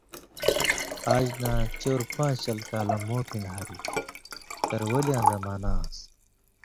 آژ نہ چور پان٘ژ شل کالہ موٹھ ہریۡ تروَلیاں زمانہ آن٘س،